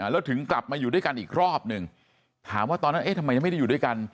แล้วถึงกลับมาอยู่ด้วยกันอีกรอบหนึ่งถามว่าตอนนั้นเอ๊ะทำไมยังไม่ได้อยู่ด้วยกัน